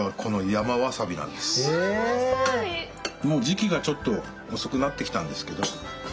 もう時期がちょっと遅くなってきたんですけど。